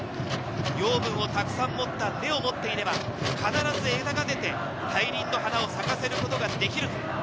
養分をたくさん持った根を持ってれば、必ず枝が出て、大輪の花を咲かせることができる。